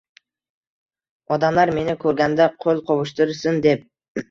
Odamlar meni ko’rganda qo’l qovushtirsin deb